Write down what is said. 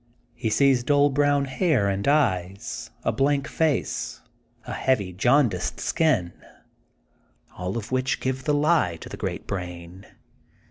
He sees duU brown hair and eyes, a blank face, a heavy jaundiced skin, all of which give the lie to the great brain.